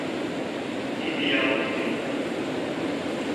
ทีเดียวติด